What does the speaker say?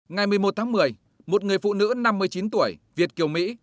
ngày một mươi một tháng một mươi một người phụ nữ năm mươi chín tuổi việt kiều mỹ